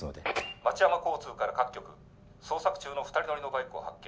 町山交通から各局捜索中の２人乗りのバイクを発見。